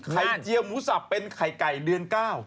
ไข่เจียวหมูสับเป็นไข่ไก่เดือนเก้า